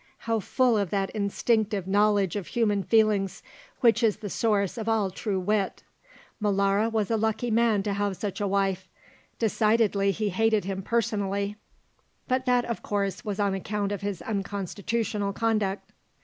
How full of that instinctive knowledge of human feelings which is the source of all true wit! Molara was a lucky man to have such a wife. Decidedly he hated him personally, but that, of course, was on account of his unconstitutional conduct.